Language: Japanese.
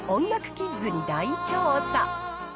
キッズに大調査。